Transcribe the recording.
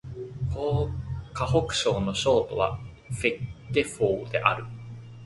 河北省の省都は石家荘である